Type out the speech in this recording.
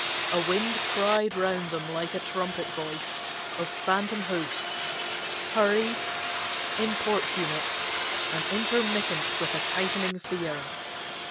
A wind cried round them like a trumpet voice Of phantom hosts hurried, importunate, And intermittent with a tightening fear.